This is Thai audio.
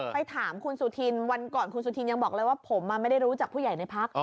ไปถามคุณสุธินวันก่อนคุณสุธินยังบอกเลยว่าผมไม่ได้รู้จักผู้ใหญ่ในพัก